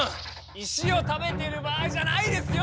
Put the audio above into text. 石を食べてる場合じゃないですよ！